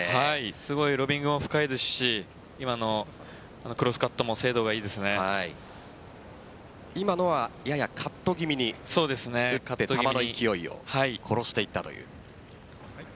すごいロビングも深いですし今のクロスカットも今のはややカット気味に打って球の勢いを殺していったという。